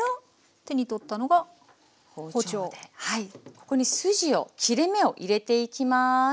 ここに筋を切れ目を入れていきます。